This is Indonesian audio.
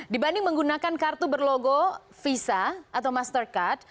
dibanding menggunakan kartu berlogo visa atau mastercard